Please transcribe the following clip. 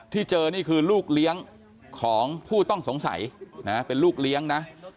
ที่เจอนี่คือลูกเลี้ยงของผู้ต้องสงสัยนะเป็นลูกเลี้ยงนะ